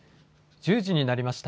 １０時になりました。